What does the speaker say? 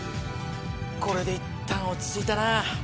これでいったん落ち着いたな。